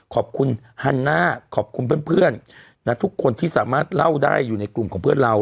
ขอบคุณฮันน่าขอบคุณเพื่อนทุกคนที่สามารถเล่าได้อยู่ในกลุ่มของเพื่อนเรา